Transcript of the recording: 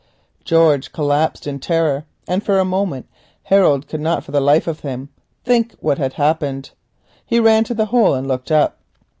George collapsed in terror, and for a moment Harold could not for the life of him think what had happened. He ran to the hole and looked up.